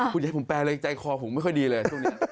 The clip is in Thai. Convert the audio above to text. คุณใหญ่ให้ผมแปลเลยใจคอผมไม่ค่อยดีเลย